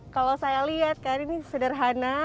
kalau saya lihat kan ini sederhana